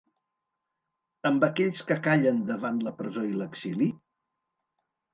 Amb aquells que callen davant la presó i l’exili?